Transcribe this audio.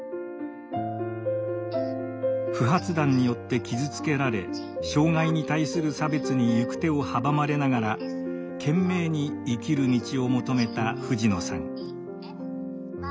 不発弾によって傷つけられ障害に対する差別に行く手を阻まれながら懸命に生きる道を求めた藤野さん。